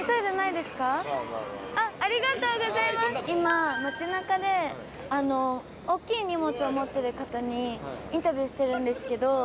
今街中で大きい荷物を持ってる方にインタビューしてるんですけど。